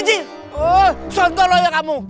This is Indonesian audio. oh kita sudah kalah